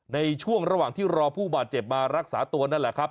ในช่วงระหว่างที่รอผู้บาดเจ็บมารักษาตัวนั่นแหละครับ